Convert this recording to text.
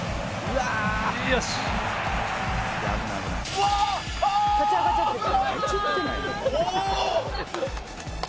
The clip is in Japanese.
「うわあ」「立ち上がっちゃってる」